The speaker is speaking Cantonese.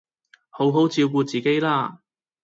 好好照顧自己啦